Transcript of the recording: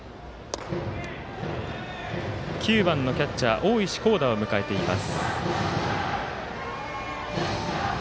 ９番のキャッチャー大石広那を迎えています。